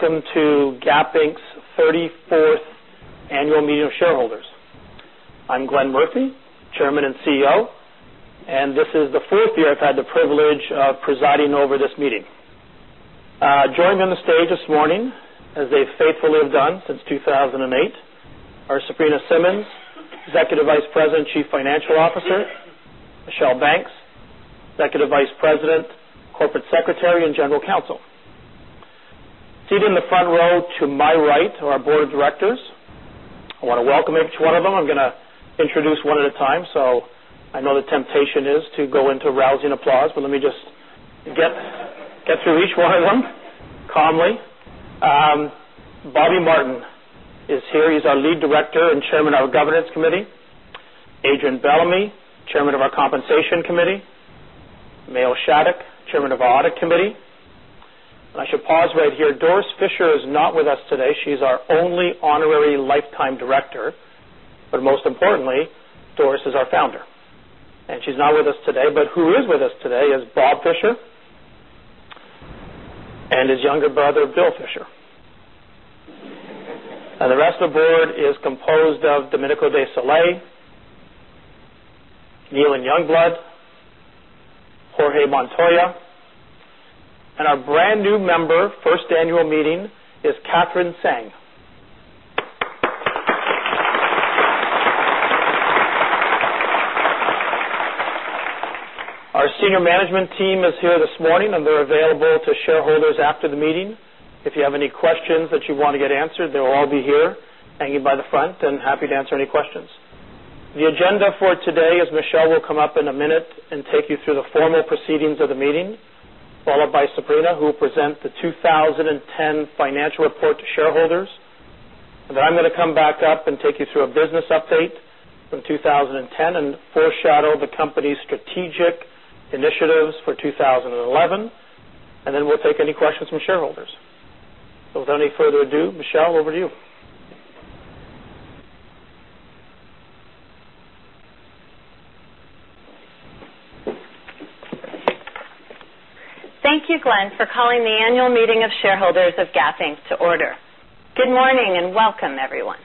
Welcome to Gap Inc.'s 34th Annual Meeting of Shareholders. I'm Glenn Murphy, Chairman and CEO, and this is the fourth year I've had the privilege of presiding over this meeting. Joining on the stage this morning, as they faithfully have done since 2008, are Sabrina Simmons, Executive Vice President, Chief Financial Officer; Michelle Banks, Executive Vice President, Corporate Secretary, and General Counsel. Seated in the front row to my right are our Board of Directors. I want to welcome each one of them. I'm going to introduce one at a time, so I know the temptation is to go into rousing applause, but let me just get through each one of them calmly. Bobby Martin is here. He's our Lead Director and Chairman of our Governance Committee. Adrian Bellamy, Chairman of our Compensation Committee. Mayo Shattuck, Chairman of our Audit Committee. I should pause right here. Doris Fisher is not with us today. She's our only honorary lifetime director. Most importantly, Doris is our founder. She's not with us today, but who is with us today is Bob Fisher and his younger brother, Bill Fisher. The rest of the board is composed of Domenico De Sole, Kneeland Youngblood, Jorge Montoya, and our brand new member, first annual meeting, is Katherine Tsang. Our senior management team is here this morning, and they're available to shareholders after the meeting. If you have any questions that you want to get answered, they'll all be here hanging by the front and happy to answer any questions. The agenda for today is Michelle will come up in a minute and take you through the formal proceedings of the meeting, followed by Sabrina, who will present the 2010 financial report to shareholders. I'm going to come back up and take you through a business update from 2010 and foreshadow the company's strategic initiatives for 2011. We'll take any questions from shareholders. Without any further ado, Michelle, over to you. Thank you, Glenn, for calling the Annual Meeting of Shareholders of Gap Inc. to order. Good morning and welcome, everyone.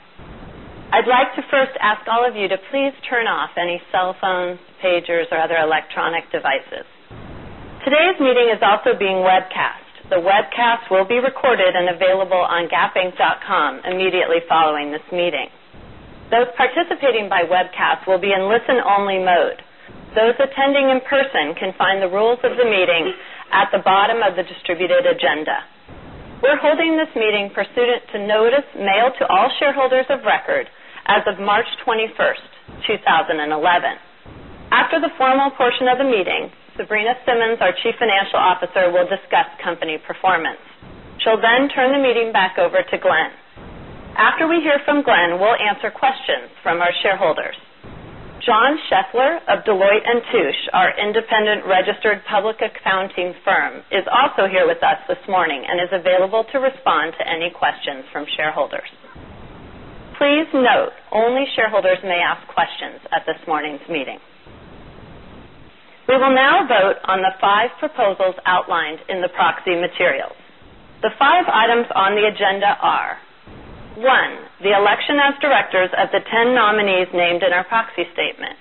I'd like to first ask all of you to please turn off any cell phones, pagers, or other electronic devices. Today's meeting is also being webcast. The webcast will be recorded and available on gapinc.com immediately following this meeting. Those participating by webcast will be in listen-only mode. Those attending in person can find the rules of the meeting at the bottom of the distributed agenda. We're holding this meeting pursuant to notice mailed to all shareholders of record as of March 21st, 2011. After the formal portion of the meeting, Sabrina Simmons, our Chief Financial Officer, will discuss company performance. She'll then turn the meeting back over to Glenn. After we hear from Glenn, we'll answer questions from our shareholders. John Scheffler of Deloitte & Touche, our independent registered public accounting firm, is also here with us this morning and is available to respond to any questions from shareholders. Please note, only shareholders may ask questions at this morning's meeting. We will now vote on the five proposals outlined in the proxy materials. The five items on the agenda are: one, the election as directors of the 10 nominees named in our proxy statement;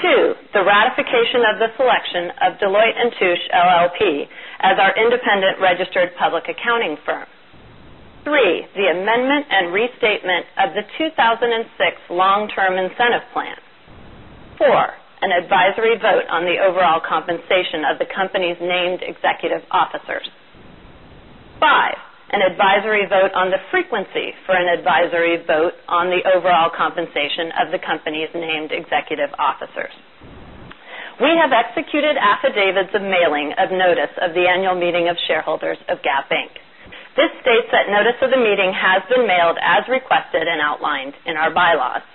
two, the ratification of the selection of Deloitte & Touche LLP as our independent registered public accounting firm; three, the amendment and restatement of the 2006 long-term incentive plan; four, an advisory vote on the overall compensation of the company's named executive officers; five, an advisory vote on the frequency for an advisory vote on the overall compensation of the company's named executive officers. We have executed affidavits of mailing of notice of the Annual Meeting of Shareholders of Gap Inc. This states that notice of the meeting has been mailed as requested and outlined in our bylaws.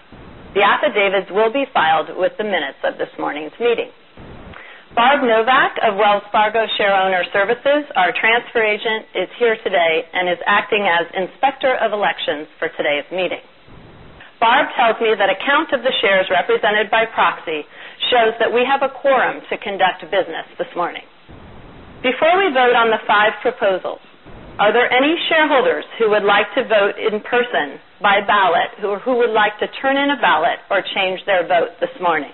The affidavits will be filed with the minutes of this morning's meeting. Barb Novak of Wells Fargo Shareowner Services, our transfer agent, is here today and is acting as Inspector of Elections for today's meeting. Barb tells me that a count of the shares represented by proxy shows that we have a quorum to conduct business this morning. Before we vote on the five proposals, are there any shareholders who would like to vote in person by ballot or who would like to turn in a ballot or change their vote this morning?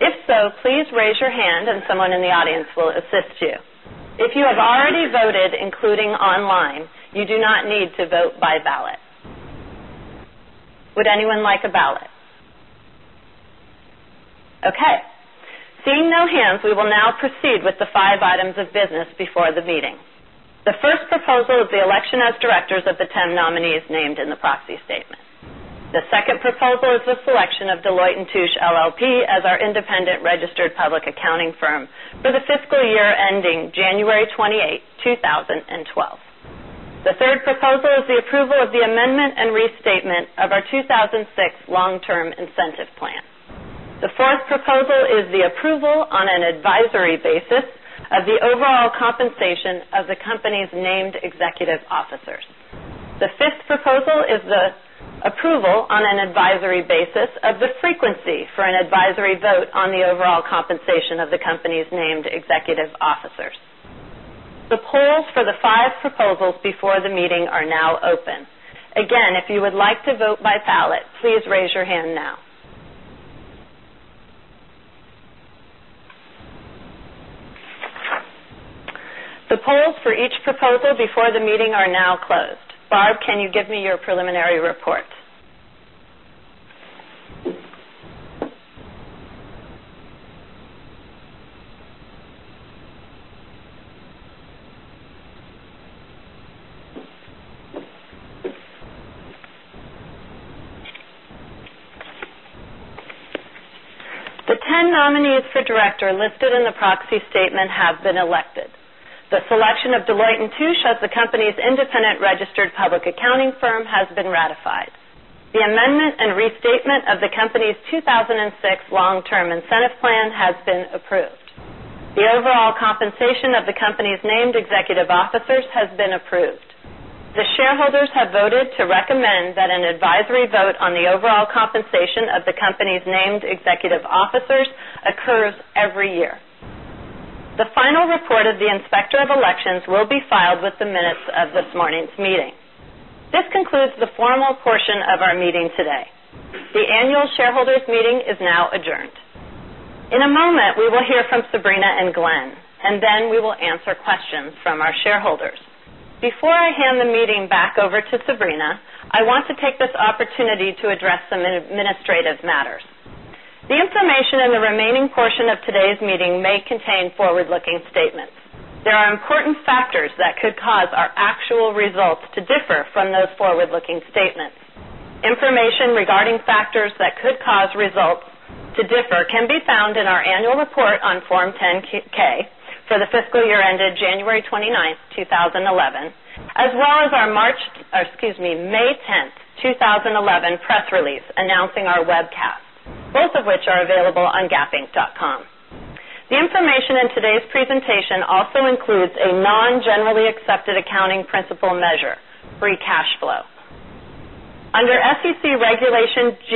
If so, please raise your hand and someone in the audience will assist you. If you have already voted, including online, you do not need to vote by ballot. Would anyone like a ballot? Okay. Seeing no hands, we will now proceed with the five items of business before the meeting. The first proposal is the election as directors of the 10 nominees named in the proxy statement. The second proposal is the selection of Deloitte & Touche LLP as our independent registered public accounting firm for the fiscal year ending January 28, 2012. The third proposal is the approval of the amendment and restatement of our 2006 long-term incentive plan. The fourth proposal is the approval on an advisory basis of the overall compensation of the company's named executive officers. The fifth proposal is the approval on an advisory basis of the frequency for an advisory vote on the overall compensation of the company's named executive officers. The polls for the five proposals before the meeting are now open. Again, if you would like to vote by ballot, please raise your hand now. The polls for each proposal before the meeting are now closed. Barb, can you give me your preliminary report? The 10 nominees for director listed in the proxy statement have been elected. The selection of Deloitte & Touche as the company's independent registered public accounting firm has been ratified. The amendment and restatement of the company's 2006 long-term incentive plan has been approved. The overall compensation of the company's named executive officers has been approved. The shareholders have voted to recommend that an advisory vote on the overall compensation of the company's named executive officers occurs every year. The final report of the Inspector of Elections will be filed with the minutes of this morning's meeting. This concludes the formal portion of our meeting today. The Annual Shareholders Meeting is now adjourned. In a moment, we will hear from Sabrina and Glenn, and then we will answer questions from our shareholders. Before I hand the meeting back over to Sabrina, I want to take this opportunity to address some administrative matters. The information in the remaining portion of today's meeting may contain forward-looking statements. There are important factors that could cause our actual results to differ from those forward-looking statements. Information regarding factors that could cause results to differ can be found in our annual report on Form 10-K for the fiscal year ended January 29th, 2011, as well as our May 10th, 2011, press release announcing our webcast, both of which are available on gapinc.com. The information in today's presentation also includes a non-GAAP measure, free cash flow. Under SEC Regulation G,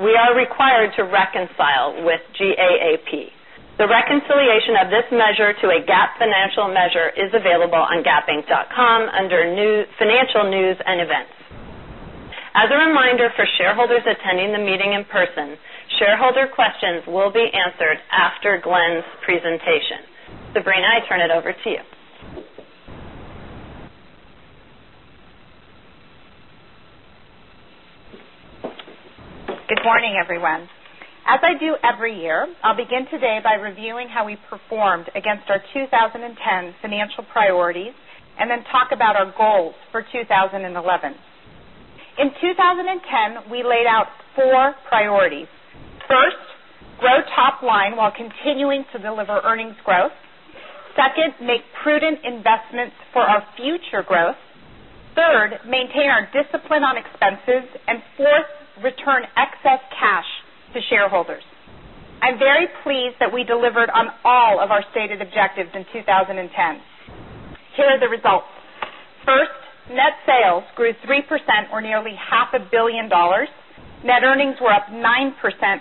we are required to reconcile with GAAP. The reconciliation of this measure to a Gap financial measure is available on gapinc.com under financial news and events. As a reminder for shareholders attending the meeting in person, shareholder questions will be answered after Glenn's presentation. Sabrina, I turn it over to you. Good morning, everyone. As I do every year, I'll begin today by reviewing how we performed against our 2010 financial priorities and then talk about our goals for 2011. In 2010, we laid out four priorities. First, grow top line while continuing to deliver earnings growth. Second, make prudent investments for our future growth. Third, maintain our discipline on expenses. Fourth, return excess cash to shareholders. I'm very pleased that we delivered on all of our stated objectives in 2010. Here are the results. First, net sales grew 3% or nearly $500 millions. Net earnings were up 9%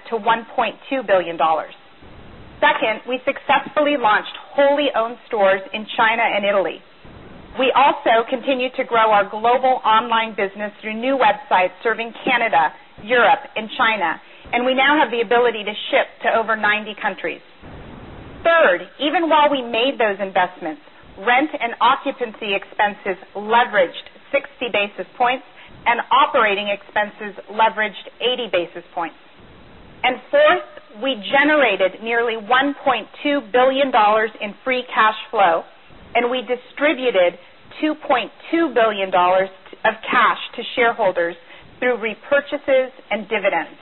to $1.2 billion. Second, we successfully launched wholly owned stores in China and Italy. We also continued to grow our global online business through new websites serving Canada, Europe, and China, and we now have the ability to ship to over 90 countries. Third, even while we made those investments, rent and occupancy expenses leveraged 60 basis points and operating expenses leveraged 80 basis points. Fourth, we generated nearly $1.2 billion in free cash flow, and we distributed $2.2 billion of cash to shareholders through repurchases and dividends.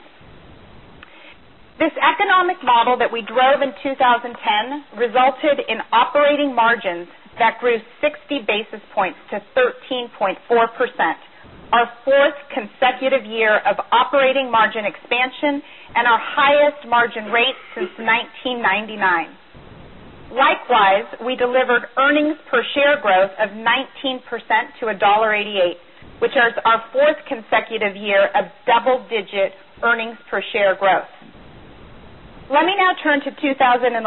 This economic model that we drove in 2010 resulted in operating margins that grew 60 basis points to 13.4%, our fourth consecutive year of operating margin expansion, and our highest margin rate since 1999. Likewise, we delivered earnings per share growth of 19% to $1.88, which is our fourth consecutive year of double-digit earnings per share growth. Let me now turn to 2011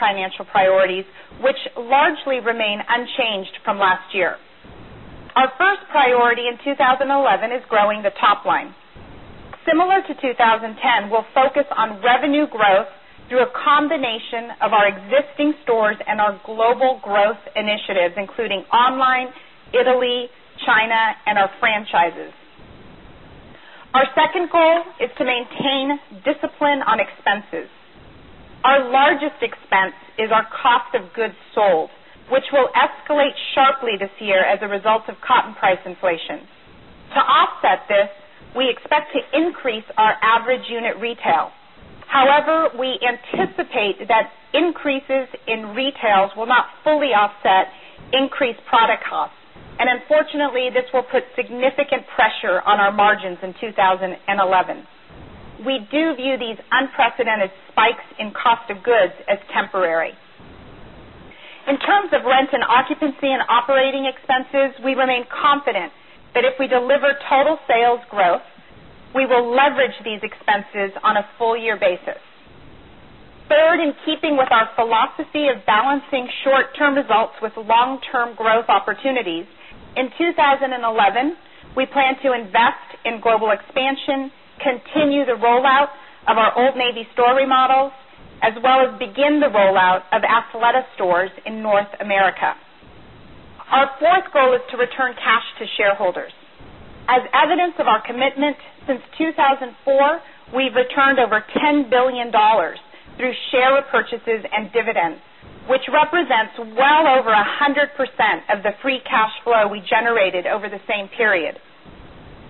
financial priorities, which largely remain unchanged from last year. Our first priority in 2011 is growing the top line. Similar to 2010, we'll focus on revenue growth through a combination of our existing stores and our global growth initiatives, including online, Italy, China, and our franchises. Our second goal is to maintain discipline on expenses. Our largest expense is our cost of goods sold, which will escalate sharply this year as a result of cotton price inflation. To offset this, we expect to increase our average unit retail. However, we anticipate that increases in retails will not fully offset increased product costs, and unfortunately, this will put significant pressure on our margins in 2011. We do view these unprecedented spikes in cost of goods as temporary. In terms of rent and occupancy and operating expenses, we remain confident that if we deliver total sales growth, we will leverage these expenses on a full-year basis. Third, in keeping with our philosophy of balancing short-term results with long-term growth opportunities, in 2011, we plan to invest in global expansion, continue the rollout of our Old Navy store remodels, as well as begin the rollout of Athleta stores in North America. Our fourth goal is to return cash to shareholders. As evidence of our commitment since 2004, we've returned over $10 billion through share repurchases and dividends, which represents well over 100% of the free cash flow we generated over the same period.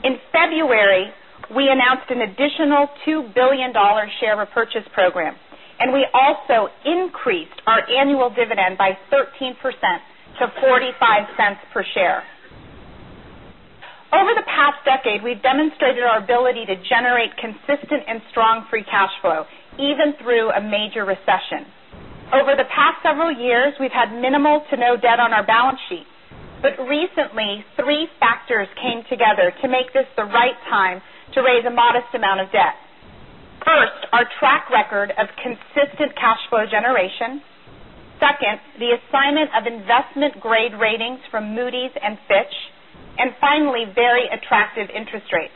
In February, we announced an additional $2 billion share repurchase program, and we also increased our annual dividend by 13% to $0.45 per share. Over the past decade, we've demonstrated our ability to generate consistent and strong free cash flow, even through a major recession. Over the past several years, we've had minimal to no debt on our balance sheet, but recently, three factors came together to make this the right time to raise a modest amount of debt. First, our track record of consistent cash flow generation. Second, the assignment of investment-grade ratings from Moody's and Fitch. Finally, very attractive interest rates.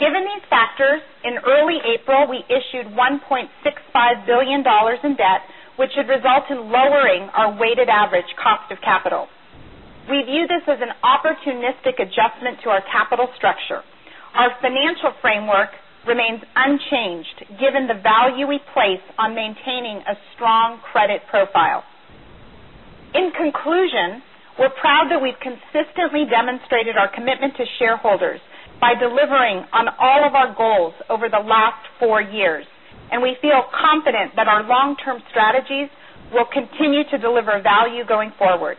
Given these factors, in early April, we issued $1.65 billion in debt, which should result in lowering our weighted average cost of capital. We view this as an opportunistic adjustment to our capital structure. Our financial framework remains unchanged, given the value we place on maintaining a strong credit profile. In conclusion, we're proud that we've consistently demonstrated our commitment to shareholders by delivering on all of our goals over the last four years, and we feel confident that our long-term strategies will continue to deliver value going forward.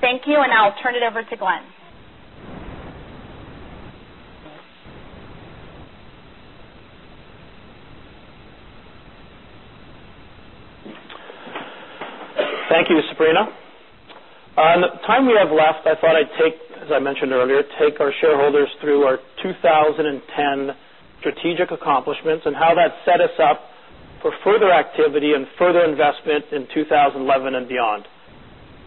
Thank you, and I'll turn it over to Glenn. Thank you, Sabrina. In the time we have left, I thought I'd take, as I mentioned earlier, our shareholders through our 2010 strategic accomplishments and how that set us up for further activity and further investment in 2011 and beyond.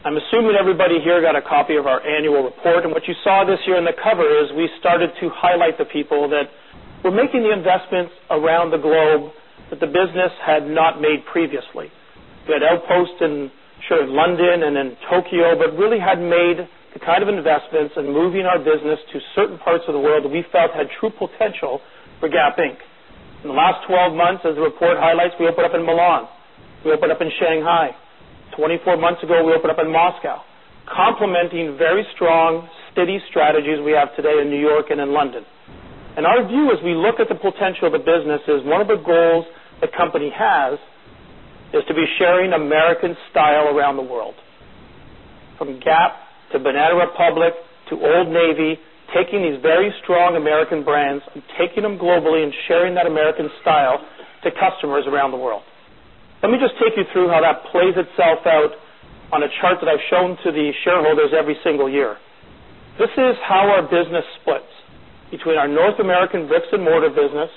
I'm assuming everybody here got a copy of our annual report, and what you saw this year on the cover is we started to highlight the people that were making the investments around the globe that the business had not made previously. We had outposts in London and in Tokyo, but really hadn't made the kind of investments in moving our business to certain parts of the world that we felt had true potential for Gap Inc. In the last 12 months, as the report highlights, we opened up in Milan. We opened up in Shanghai. Twenty-four months ago, we opened up in Moscow, complementing very strong, steady strategies we have today in New York and in London. Our view, as we look at the potential of the business, is one of the goals the company has is to be sharing American style around the world. From Gap to Banana Republic to Old Navy, taking these very strong American brands and taking them globally and sharing that American style to customers around the world. Let me just take you through how that plays itself out on a chart that I've shown to the shareholders every single year. This is how our business splits between our North American bricks-and-mortar business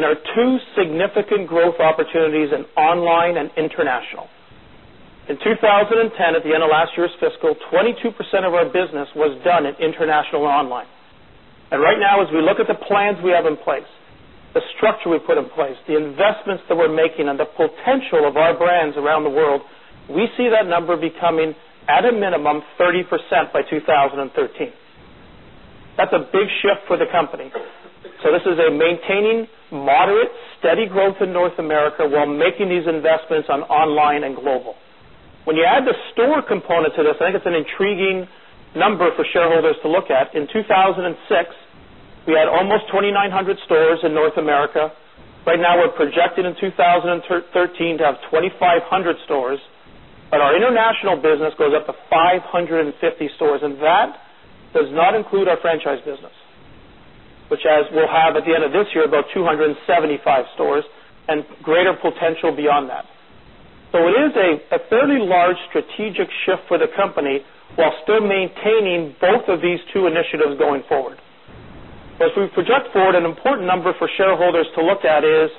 and our two significant growth opportunities in online and international. In 2010, at the end of last year's fiscal, 22% of our business was done in international and online. Right now, as we look at the plans we have in place, the structure we've put in place, the investments that we're making, and the potential of our brands around the world, we see that number becoming, at a minimum, 30% by 2013. That's a big shift for the company. This is maintaining moderate, steady growth in North America while making these investments in online and global. When you add the store component to this, I think it's an intriguing number for shareholders to look at. In 2006, we had almost 2,900 stores in North America. Right now, we're projected in 2013 to have 2,500 stores, and our international business goes up to 550 stores. That does not include our franchise business, which will have, at the end of this year, about 275 stores and greater potential beyond that. It is a fairly large strategic shift for the company while still maintaining both of these two initiatives going forward. If we project forward, an important number for shareholders to look at is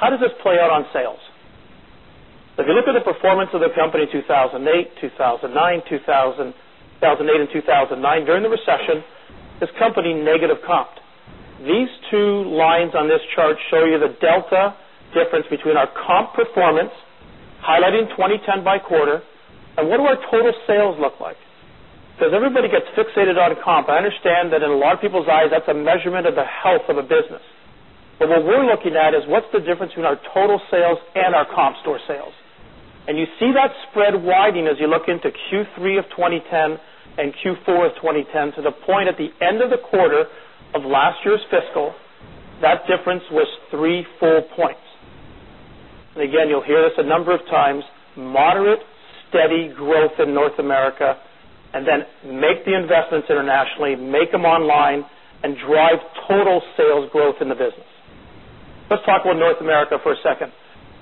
how does this play out on sales? If you look at the performance of the company in 2008, 2009, 2008 and 2009, during the recession, this company negative comped. These two lines on this chart show you the delta difference between our comp performance, highlighting 2010 by quarter, and what do our total sales look like? Everybody gets fixated on comp. I understand that in a lot of people's eyes, that's a measurement of the health of a business. What we're looking at is what's the difference between our total sales and our comp store sales. You see that spread widening as you look into Q3 of 2010 and Q4 of 2010 to the point at the end of the quarter of last year's fiscal. That difference was 3 full points. You'll hear this a number of times: moderate, steady growth in North America, and then make the investments internationally, make them online, and drive total sales growth in the business. Let's talk about North America for a second.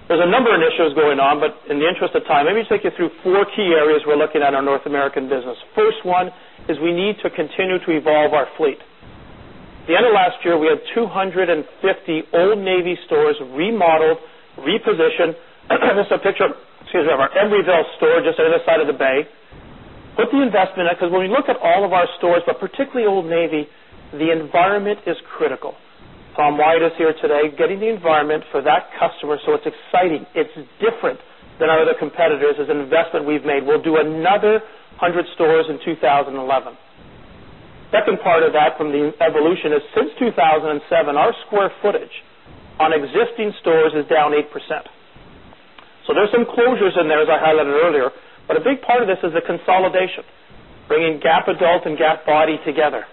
There are a number of initiatives going on, but in the interest of time, let me take you through four key areas we're looking at in our North American business. First one is we need to continue to evolve our fleet. At the end of last year, we had 250 Old Navy stores remodeled, repositioned. This is a picture of our Emeryville store just on the other side of the bay. Put the investment in it because when we look at all of our stores, but particularly Old Navy, the environment is critical. Tom Wyatt is here today getting the environment for that customer, so it's exciting. It's different than our other competitors. It's an investment we've made. We'll do another 100 stores in 2011. The second part of that from the evolution is since 2007, our square footage on existing stores is down 8%. There are some closures in there, as I highlighted earlier, but a big part of this is the consolidation, bringing Gap Adult and GapBody together.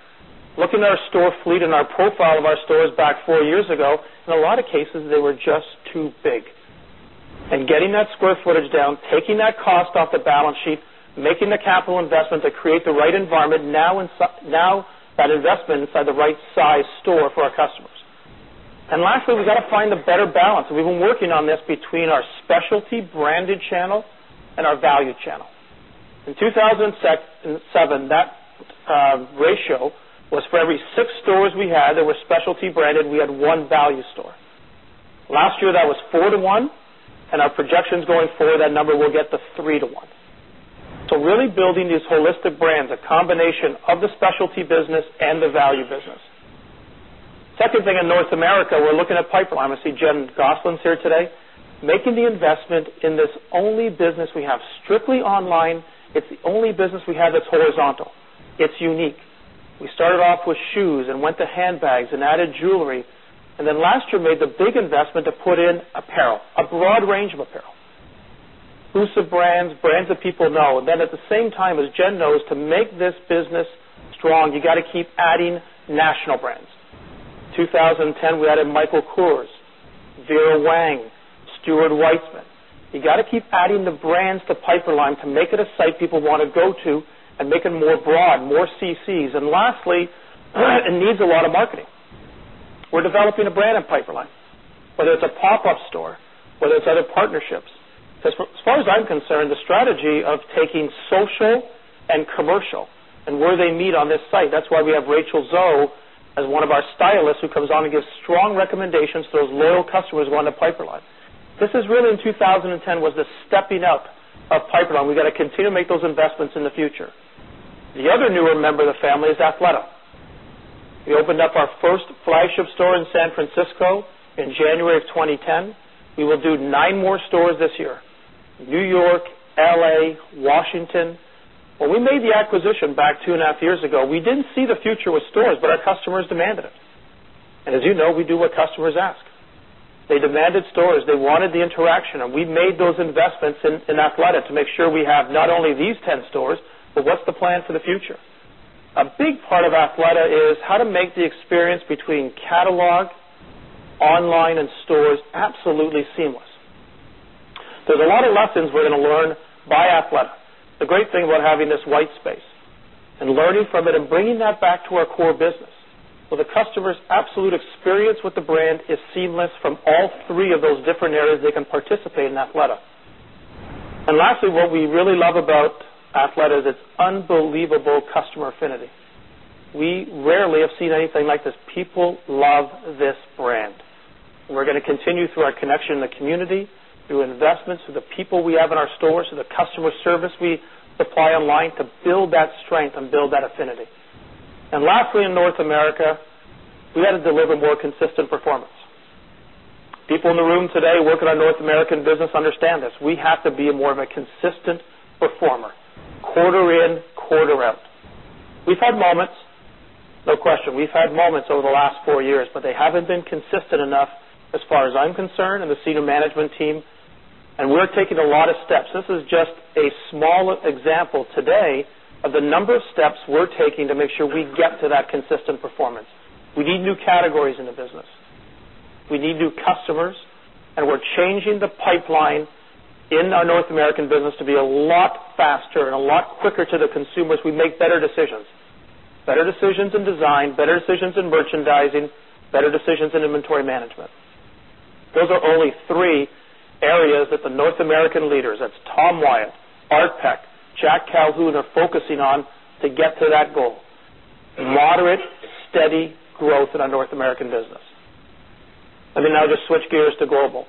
Looking at our store fleet and our profile of our stores back four years ago, in a lot of cases, they were just too big. Getting that square footage down, taking that cost off the balance sheet, making the capital investment to create the right environment now, that investment inside the right size store for our customers. Lastly, we've got to find the better balance. We've been working on this between our specialty branded channel and our value channel. In 2007, that ratio was for every six stores we had that were specialty branded, we had one value store. Last year, that was four to one, and our projections going forward, that number will get to three to one. Really building these holistic brands, a combination of the specialty business and the value business. Second thing in North America, we're looking at pipeline. I see Jen Gosling's here today, making the investment in this only business we have strictly online. It's the only business we have that's horizontal. It's unique. We started off with shoes and went to handbags and added jewelry, and last year made the big investment to put in apparel, a broad range of apparel. Inclusive brands, brands that people know. At the same time, as Jen knows, to make this business strong, you got to keep adding national brands. In 2010, we added Michael Kors, Vera Wang, Stuart Weitzman. You got to keep adding the brands to Piperlime to make it a site people want to go to and make it more broad, more CCs. Lastly, it needs a lot of marketing. We're developing a brand in Piperlime, whether it's a pop-up store or other partnerships. As far as I'm concerned, the strategy of taking social and commercial and where they meet on this site, that's why we have Rachel Zoe as one of our stylists who comes on and gives strong recommendations to those loyal customers who are on the Piperlime. In 2010, this was the stepping up of Piperlime. We got to continue to make those investments in the future. The other newer member of the family is Athleta. We opened up our first flagship store in San Francisco in January 2010. We will do nine more stores this year: New York, L.A., Washington. When we made the acquisition back two and a half years ago, we didn't see the future with stores, but our customers demanded it. As you know, we do what customers ask. They demanded stores. They wanted the interaction, and we made those investments in Athleta to make sure we have not only these 10 stores, but what's the plan for the future? A big part of Athleta is how to make the experience between catalog, online, and stores absolutely seamless. There's a lot of lessons we're going to learn by Athleta. The great thing about having this white space and learning from it and bringing that back to our core business is the customer's absolute experience with the brand is seamless from all three of those different areas they can participate in Athleta. Lastly, what we really love about Athleta is its unbelievable customer affinity. We rarely have seen anything like this. People love this brand. We're going to continue through our connection in the community, through investments, through the people we have in our stores, through the customer service we supply online to build that strength and build that affinity. Lastly, in North America, we got to deliver more consistent performance. People in the room today working on North American business understand this. We have to be more of a consistent performer, quarter in, quarter out. We've had moments, no question. We've had moments over the last four years, but they haven't been consistent enough as far as I'm concerned and the senior management team, and we're taking a lot of steps. This is just a small example today of the number of steps we're taking to make sure we get to that consistent performance. We need new categories in the business. We need new customers, and we're changing the pipeline in our North American business to be a lot faster and a lot quicker to the consumers. We make better decisions. Better decisions in design, better decisions in merchandising, better decisions in inventory management. Those are only three areas that the North American leaders, that's Tom Wyatt, Art Peck, Jack Calhoun, are focusing on to get to that goal: moderate, steady growth in our North American business. Let me now just switch gears to global.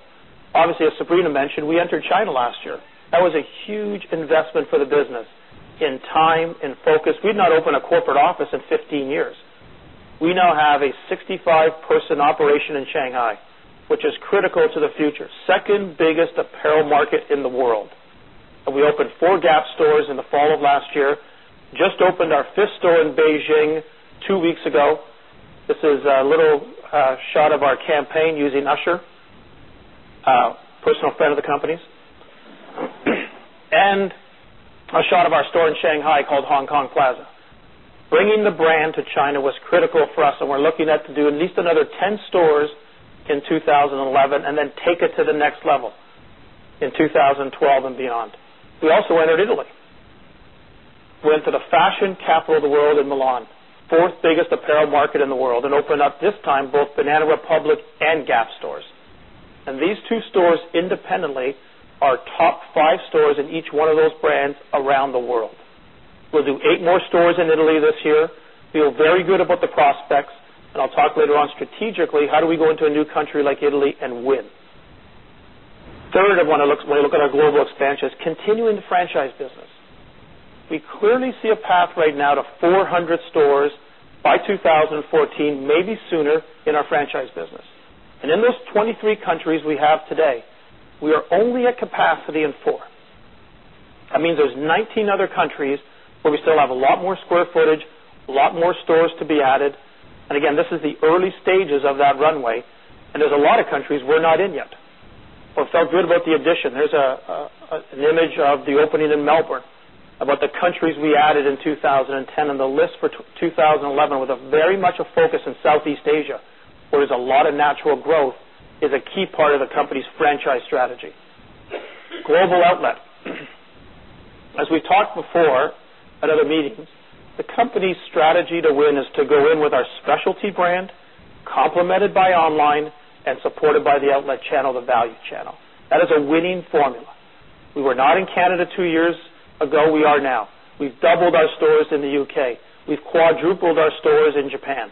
Obviously, as Sabrina mentioned, we entered China last year. That was a huge investment for the business in time and focus. We'd not opened a corporate office in 15 years. We now have a 65-person operation in Shanghai, which is critical to the future. Second biggest apparel market in the world. We opened four Gap stores in the fall of last year, just opened our fifth store in Beijing two weeks ago. This is a little shot of our campaign using Usher, a personal friend of the company's, and a shot of our store in Shanghai called Hong Kong Plaza. Bringing the brand to China was critical for us, and we're looking at to do at least another 10 stores in 2011 and then take it to the next level in 2012 and beyond. We also entered Italy. We entered the fashion capital of the world in Milan, fourth biggest apparel market in the world, and opened up this time both Banana Republic and Gap stores. These two stores independently are top five stores in each one of those brands around the world. We'll do eight more stores in Italy this year. Feel very good about the prospects, and I'll talk later on strategically, how do we go into a new country like Italy and win? Third, I want to look at our global expansions, continuing the franchise business. We clearly see a path right now to 400 stores by 2014, maybe sooner, in our franchise business. In those 23 countries we have today, we are only at capacity in four. That means there's 19 other countries where we still have a lot more square footage, a lot more stores to be added. This is the early stages of that runway, and there's a lot of countries we're not in yet. Felt good about the addition. There's an image of the opening in Melbourne about the countries we added in 2010 and the list for 2011 with very much a focus in Southeast Asia, where there's a lot of natural growth, is a key part of the company's franchise strategy. Global outlet. As we've talked before at other meetings, the company's strategy to win is to go in with our specialty brand, complemented by online and supported by the outlet channel, the value channel. That is a winning formula. We were not in Canada two years ago, we are now. We've doubled our stores in the U.K. We've quadrupled our stores in Japan.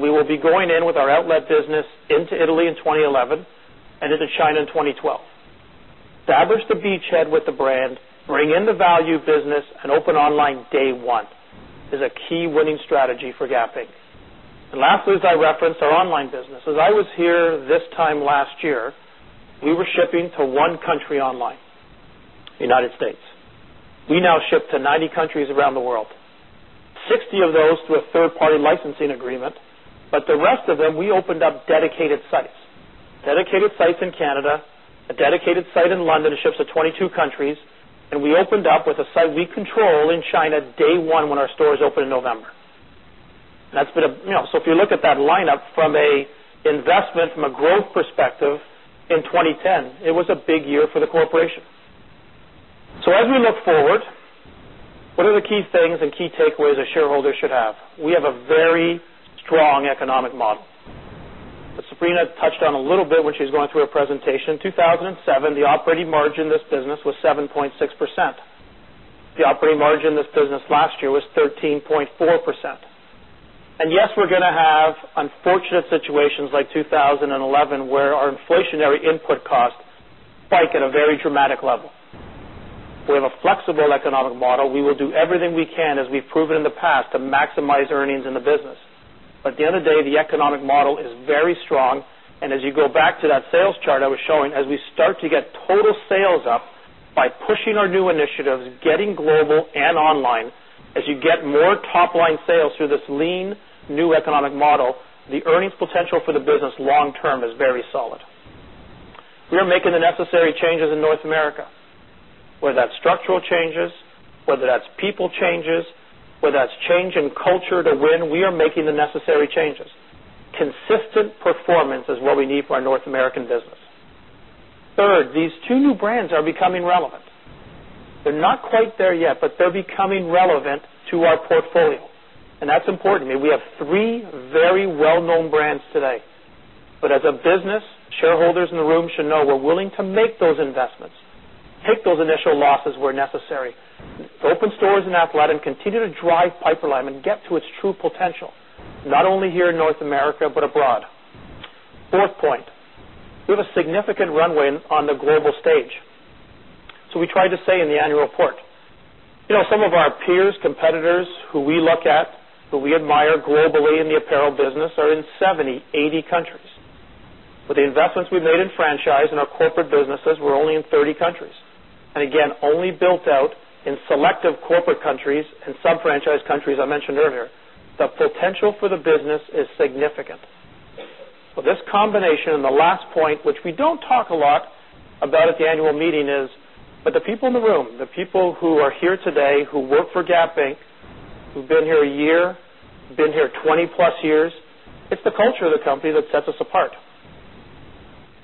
We will be going in with our outlet business into Italy in 2011 and into China in 2012. Diverse the beachhead with the brand, bring in the value business, and open online day one is a key winning strategy for Gap Inc. Lastly, as I referenced, our online business. As I was here this time last year, we were shipping to one country online, the United States. We now ship to 90 countries around the world, 60 of those through a third-party licensing agreement, but the rest of them, we opened up dedicated sites. Dedicated sites in Canada, a dedicated site in London ships to 22 countries, and we opened up with a site we control in China day one when our stores opened in November. If you look at that lineup from an investment, from a growth perspective in 2010, it was a big year for the corporation. As we look forward, what are the key things and key takeaways a shareholder should have? We have a very strong economic model. Sabrina touched on a little bit when she was going through her presentation. In 2007, the operating margin in this business was 7.6%. The operating margin in this business last year was 13.4%. Yes, we're going to have unfortunate situations like 2011 where our inflationary input costs spike at a very dramatic level. We have a flexible economic model. We will do everything we can, as we've proven in the past, to maximize earnings in the business. At the end of the day, the economic model is very strong, and as you go back to that sales chart I was showing, as we start to get total sales up by pushing our new initiatives, getting global and online, as you get more top-line sales through this lean new economic model, the earnings potential for the business long-term is very solid. We are making the necessary changes in North America, whether that's structural changes, whether that's people changes, whether that's change in culture to win, we are making the necessary changes. Consistent performance is what we need for our North American business. Third, these two new brands are becoming relevant. They're not quite there yet, but they're becoming relevant to our portfolio, and that's important. I mean, we have three very well-known brands today. As a business, shareholders in the room should know we're willing to make those investments, take those initial losses where necessary, open stores in Athleta and continue to drive Piperlime and get to its true potential, not only here in North America but abroad. Fourth point, we have a significant runway on the global stage. We tried to say in the annual report, you know, some of our peers, competitors who we look at, who we admire globally in the apparel business, are in 70, 80 countries. With the investments we've made in franchise and our corporate businesses, we're only in 30 countries. Only built out in selective corporate countries and some franchise countries I mentioned earlier. The potential for the business is significant. This combination, and the last point, which we don't talk a lot about at the annual meeting, is that the people in the room, the people who are here today who work for Gap Inc., who've been here a year, been here 20+ years, it's the culture of the company that sets us apart.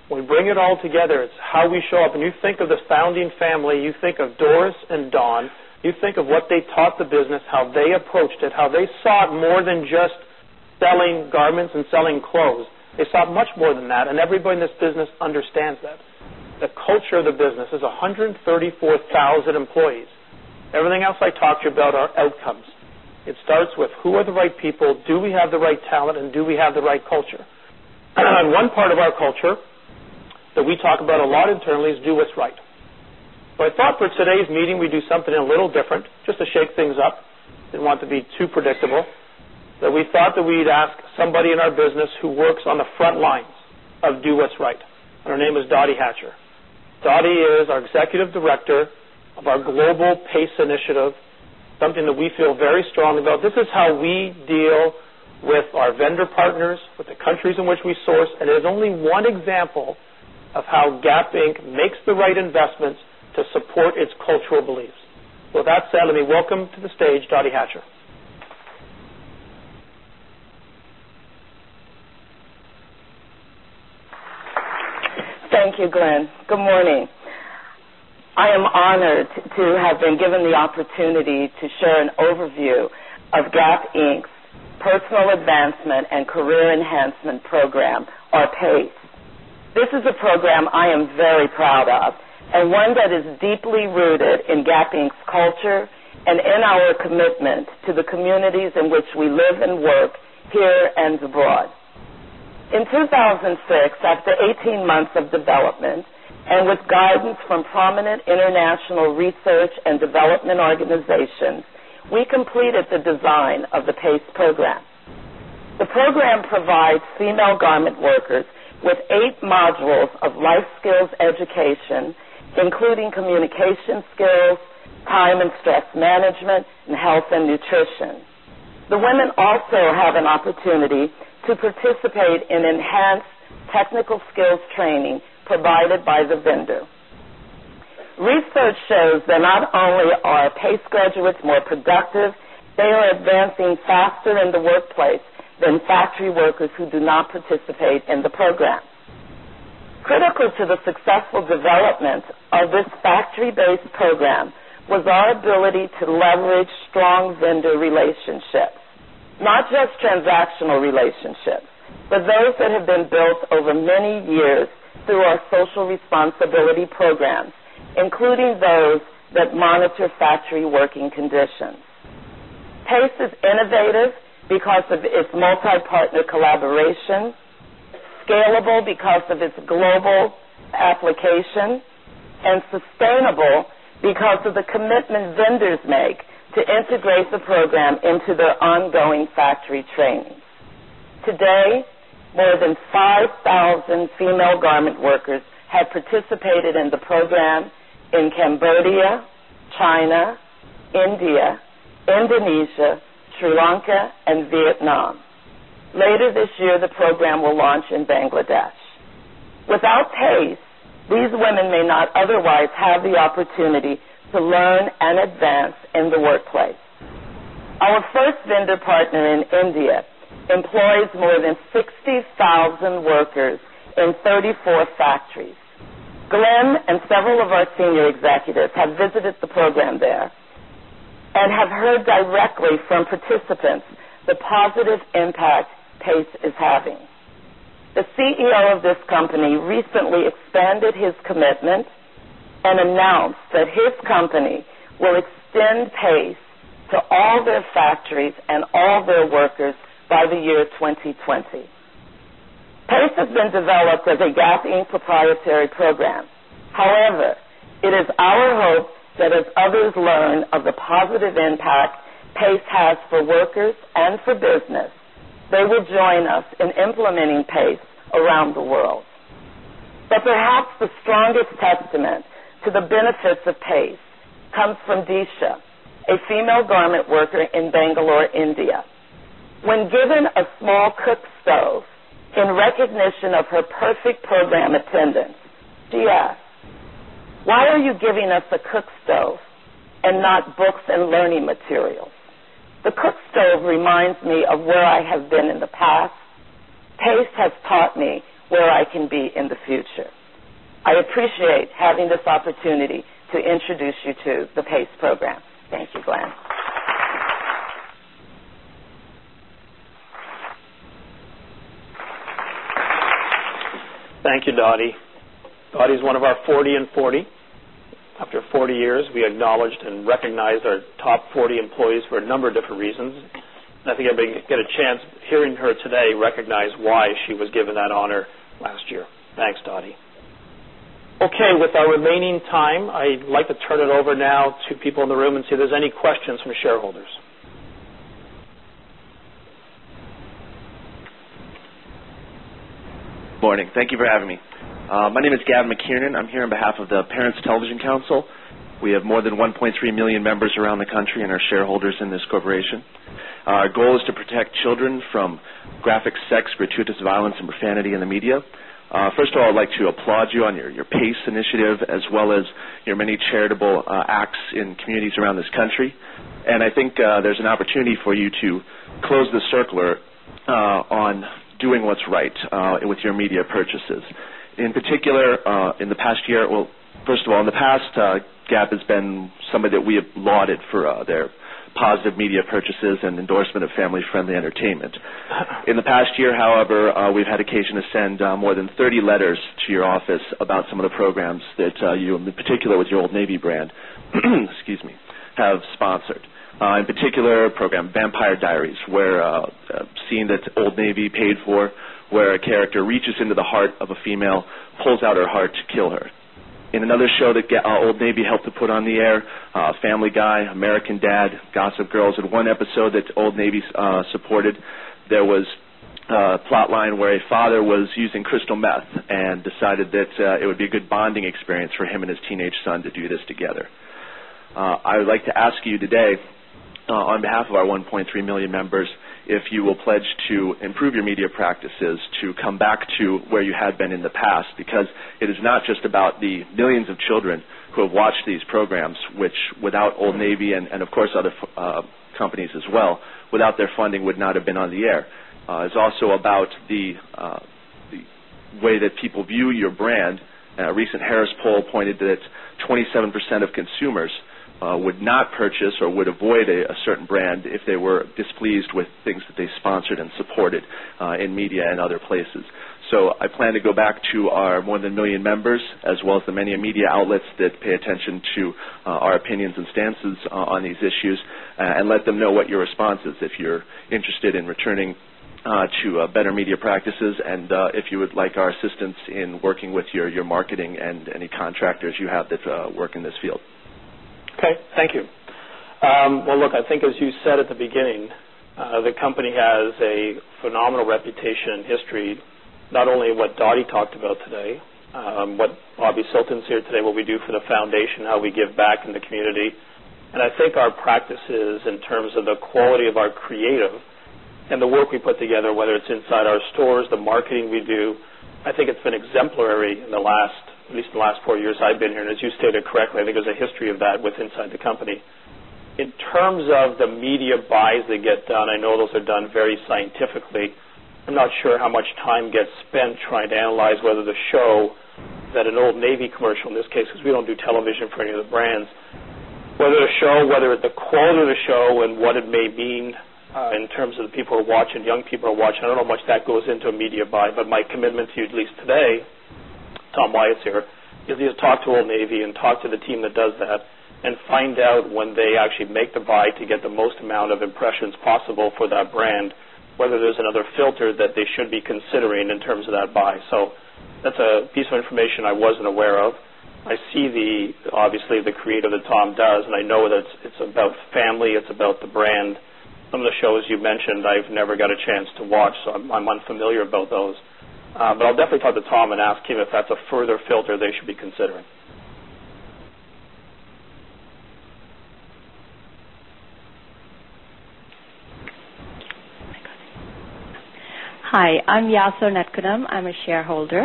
When we bring it all together, it's how we show up. You think of the founding family, you think of Doris and Don, you think of what they taught the business, how they approached it, how they saw it as more than just selling garments and selling clothes. They saw it as much more than that, and everybody in this business understands that. The culture of the business is 134,000 employees. Everything else I talked to you about are outcomes. It starts with who are the right people, do we have the right talent, and do we have the right culture? One part of our culture that we talk about a lot internally is do what's right. I thought for today's meeting, we'd do something a little different, just to shake things up. I didn't want it to be too predictable. We thought that we'd ask somebody in our business who works on the front lines of do what's right. Her name is Dotti Hatcher. Dotti is our Executive Director of our Global PACE initiative, something that we feel very strongly about. This is how we deal with our vendor partners, with the countries in which we source, and it is only one example of how Gap Inc. makes the right investments to support its cultural beliefs. With that said, let me welcome to the stage Dotti Hatcher. Thank you, Glenn. Good morning. I am honored to have been given the opportunity to share an overview of Gap Inc.'s Personal Advancement and Career Enhancement program, or PACE. This is a program I am very proud of and one that is deeply rooted in Gap Inc.'s culture and in our commitment to the communities in which we live and work here and abroad. In 2006, after 18 months of development and with guidance from prominent international research and development organizations, we completed the design of the PACE program. The program provides female garment workers with eight modules of life skills education, including communication skills, time and stress management, and health and nutrition. The women also have an opportunity to participate in enhanced technical skills training provided by the vendor. Research shows that not only are PACE graduates more productive, they are advancing faster in the workplace than factory workers who do not participate in the program. Critical to the successful development of this factory-based program was our ability to leverage strong vendor relationships, not just transactional relationships, but those that have been built over many years through our Social Responsibility program, including those that monitor factory working conditions. PACE is innovative because of its multi-partner collaboration, scalable because of its global application, and sustainable because of the commitment vendors make to integrate the program into their ongoing factory training. Today, more than 5,000 female garment workers have participated in the program in Cambodia, China, India, Indonesia, Sri Lanka, and Vietnam. Later this year, the program will launch in Bangladesh. Without PACE, these women may not otherwise have the opportunity to learn and advance in the workplace. Our first vendor partner in India employs more than 60,000 workers in 34 factories. Glenn and several of our senior executives have visited the program there and have heard directly from participants the positive impact PACE is having. The CEO of this company recently expanded his commitment and announced that his company will extend PACE to all their factories and all their workers by the year 2020. PACE has been developed as a Gap Inc. proprietary program. However, it is our hope that as others learn of the positive impact PACE has for workers and for business, they will join us in implementing PACE around the world. Perhaps the strongest testament to the benefits of PACE comes from Disha, a female garment worker in Bangalore, India. When given a small cook stove in recognition of her perfect program attendance, she asked, "Why are you giving us a cook stove and not books and learning material? The cook stove reminds me of where I have been in the past. PACE has taught me where I can be in the future." I appreciate having this opportunity to introduce you to the PACE program. Thanks. Thank you, Dotti. Dotti is one of our 40 and 40. After 40 years, we acknowledged and recognized our top 40 employees for a number of different reasons. I think I'm going to get a chance hearing her today recognize why she was given that honor last year. Thanks, Dotti. OK, with our remaining time, I'd like to turn it over now to people in the room and see if there's any questions from shareholders. Morning. Thank you for having me. My name is Gavin McKiernan. I'm here on behalf of the Parents Television Council. We have more than 1.3 million members around the country and are shareholders in this corporation. Our goal is to protect children from graphic sex, gratuitous violence, and profanity in the media. First of all, I'd like to applaud you on your PACE initiative, as well as your many charitable acts in communities around this country. I think there's an opportunity for you to close the circle on doing what's right with your media purchases. In particular, in the past year, in the past, Gap has been somebody that we have lauded for their positive media purchases and endorsement of family-friendly entertainment. In the past year, however, we've had occasion to send more than 30 letters to your office about some of the programs that you, in particular with your Old Navy brand, excuse me, have sponsored. In particular, program Vampire Diaries, where seeing that Old Navy paid for where a character reaches into the heart of a female, pulls out her heart to kill her. In another show that Old Navy helped to put on the air, Family Guy, American Dad, Gossip Girl, in one episode that Old Navy supported, there was a plot line where a father was using crystal meth and decided that it would be a good bonding experience for him and his teenage son to do this together. I would like to ask you today, on behalf of our 1.3 million members, if you will pledge to improve your media practices to come back to where you had been in the past, because it is not just about the millions of children who have watched these programs, which without Old Navy and, of course, other companies as well, without their funding, would not have been on the air. It's also about the way that people view your brand. A recent Harris poll pointed that 27% of consumers would not purchase or would avoid a certain brand if they were displeased with things that they sponsored and supported in media and other places. I plan to go back to our more than 1 million members, as well as the many media outlets that pay attention to our opinions and stances on these issues, and let them know what your response is if you're interested in returning to better media practices and if you would like our assistance in working with your marketing and any contractors you have that work in this field. OK, thank you. I think as you said at the beginning, the company has a phenomenal reputation and history, not only what Dotti talked about today, with our consultants here today, what we do for the foundation, how we give back in the community. I think our practices in terms of the quality of our creative and the work we put together, whether it's inside our stores, the marketing we do, I think it's been exemplary in the last, at least the last four years I've been here. As you stated correctly, I think there's a history of that within the company. In terms of the media buys that get done, I know those are done very scientifically. I'm not sure how much time gets spent trying to analyze whether the show is that an Old Navy commercial in this case, because we don't do television for any of the brands, whether the show, whether the quality of the show and what it may mean in terms of the people who are watching, young people who are watching, I don't know how much that goes into a media buy. My commitment to you, at least today, Tom Wyatt's here, is to talk to Old Navy and talk to the team that does that and find out when they actually make the buy to get the most amount of impressions possible for that brand, whether there's another filter that they should be considering in terms of that buy. That's a piece of information I wasn't aware of. I see the, obviously, the creative that Tom does, and I know that it's about family, it's about the brand. Some of the shows you mentioned, I've never got a chance to watch, so I'm unfamiliar about those. I'll definitely talk to Tom and ask him if that's a further filter they should be considering. Hi, I'm Yaso Natkunam. I'm a shareholder.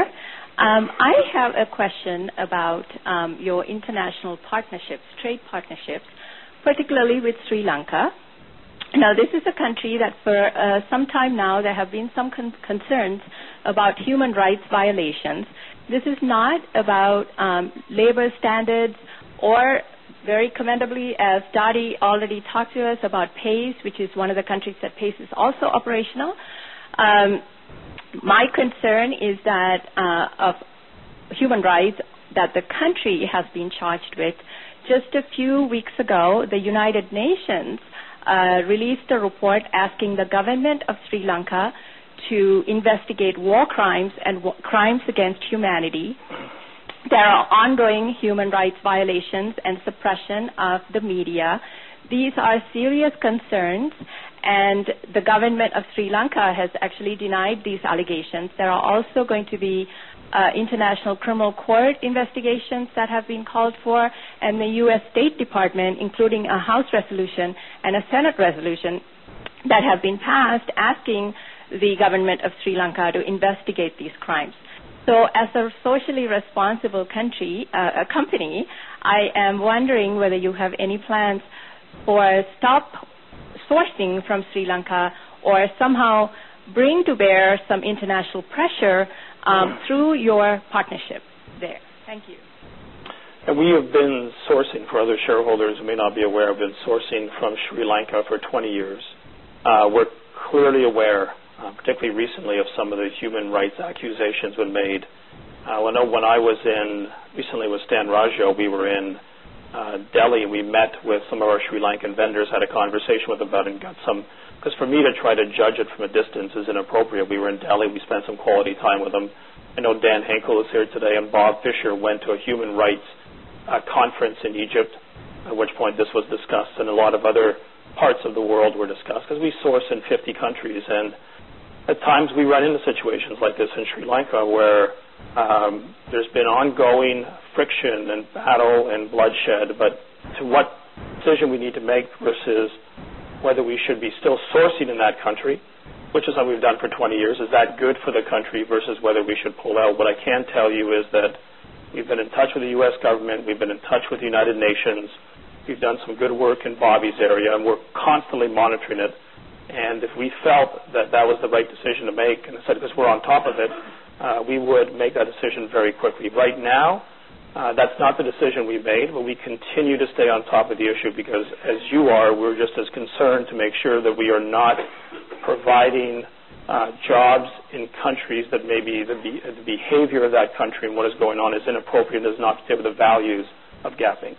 I have a question about your international partnerships, trade partnerships, particularly with Sri Lanka. Now, this is a country that for some time now, there have been some concerns about human rights violations. This is not about labor standards or, very commendably, as Dotti already talked to us about PACE, which is one of the countries that PACE is also operational. My concern is that of human rights that the country has been charged with. Just a few weeks ago, the United Nations released a report asking the government of Sri Lanka to investigate war crimes and crimes against humanity. There are ongoing human rights violations and suppression of the media. These are serious concerns, and the government of Sri Lanka has actually denied these allegations. There are also going to be International Criminal Court investigations that have been called for, and the U.S. State Department, including a House resolution and a Senate resolution that have been passed asking the government of Sri Lanka to investigate these crimes. As a socially responsible company, I am wondering whether you have any plans to stop sourcing from Sri Lanka or somehow bring to bear some international pressure through your partnership there. Thank you. We have been sourcing for other shareholders who may not be aware of, been sourcing from Sri Lanka for 20 years. We're clearly aware, particularly recently, of some of the human rights accusations we made. I know when I was in, recently with Stan Raggio, we were in Delhi. We met with some of our Sri Lankan vendors, had a conversation with them about it, and got some, because for me to try to judge it from a distance is inappropriate. We were in Delhi. We spent some quality time with them. I know Dan Henkle is here today, and Bob Fisher went to a human rights conference in Egypt, at which point this was discussed, and a lot of other parts of the world were discussed, because we source in 50 countries. At times, we run into situations like this in Sri Lanka where there's been ongoing friction and battle and bloodshed. To what decision we need to make versus whether we should be still sourcing in that country, which is what we've done for 20 years, is that good for the country versus whether we should pull out. What I can tell you is that we've been in touch with the U.S. government. We've been in touch with the United Nations. We've done some good work in Bobby's area, and we're constantly monitoring it. If we felt that that was the right decision to make and said because we're on top of it, we would make that decision very quickly. Right now, that's not the decision we made, but we continue to stay on top of the issue because, as you are, we're just as concerned to make sure that we are not providing jobs in countries that maybe the behavior of that country and what is going on is inappropriate and does not fit with the values of Gap Inc.